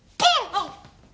あっ！